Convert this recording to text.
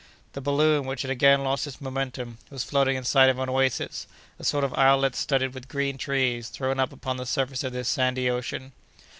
The balloon, which had again lost its momentum, was floating in sight of an oasis, a sort of islet studded with green trees, thrown up upon the surface of this sandy ocean.